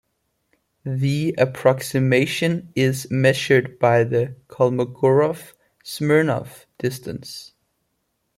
The approximation is measured by the Kolmogorov-Smirnov distance.